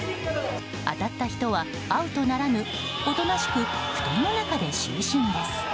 当たった人はアウトならぬおとなしく布団の中で就寝です。